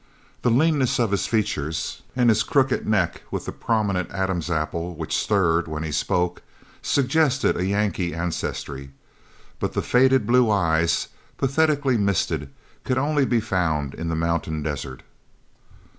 The leanness of his features, and his crooked neck with the prominent Adam's apple which stirred when he spoke, suggested a Yankee ancestry, but the faded blue eyes, pathetically misted, could only be found in the mountain desert.